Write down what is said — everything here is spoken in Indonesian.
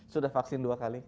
sudah vaksin dua kali